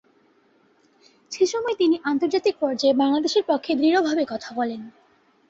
সেসময় তিনি আন্তর্জাতিক পর্যায়ে বাংলাদেশের পক্ষে দৃঢ়ভাবে কথা বলেন।